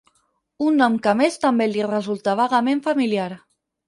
Un nom que a més també li resulta vagament familiar.